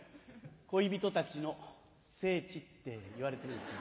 「恋人たちの聖地」っていわれてるんですよ。